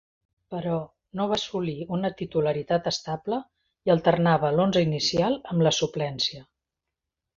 Però, no va assolir una titularitat estable, i alternava l'onze inicial amb la suplència.